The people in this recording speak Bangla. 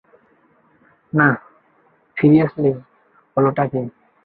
না, সিরিয়াসলি, হলোটা কী?